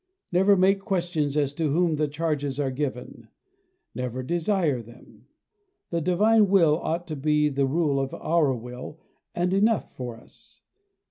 Never make questions as to whom the charges are given; never desire them. The divine will ought to be the rule of our will and enough for us.